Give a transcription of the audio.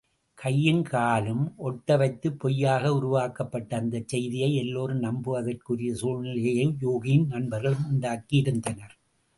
கையும் காலும் ஒட்ட வைத்துப் பொய்யாக உருவாக்கப்பட்ட அந்தச் செய்தியை எல்லோரும் நம்புவதற்குரிய சூழ்நிலையை யூகியின் நண்பர்கள் உண்டாக்கியிருந்தனர்.